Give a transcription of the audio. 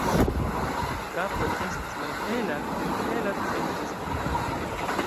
Kapo estas malhela kun hela centra strio.